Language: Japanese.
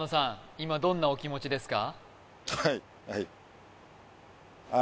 今どんなお気持ちですか？